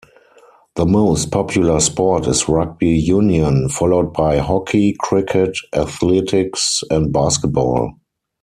The most popular sport is rugby union, followed by hockey, cricket, athletics and basketball.